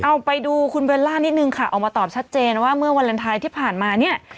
เอาไปดูคุณเบลล่านิดนึงค่ะออกมาตอบชัดเจนว่าเมื่อวาเลนไทยที่ผ่านมาเนี่ย